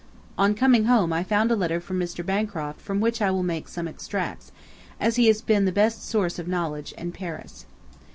On coming home I found a letter from Mr. Bancroft from which I will make some extracts, as he has the best sources of knowledge in Paris.